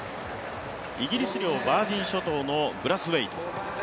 イギリス領バージン諸島のブラスウェイト